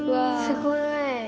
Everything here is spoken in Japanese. すごい。